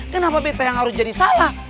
kenapa bt yang harus jadi salah